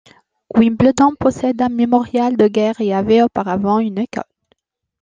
Wimbledon possède un mémorial de guerre et avait auparavant une école.